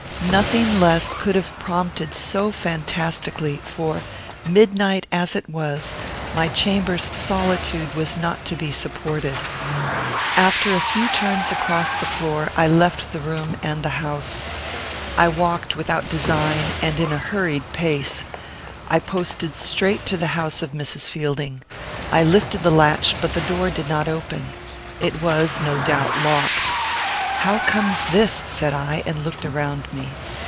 Nothing less could have prompted so fantastically; for, midnight as it was, my chamber's solitude was not to be supported. After a few turns across the floor, I left the room, and the house. I walked without design and in a hurried pace. I posted straight to the house of Mrs. Fielding. I lifted the latch, but the door did not open. It was, no doubt, locked. "How comes this?" said I, and looked around me.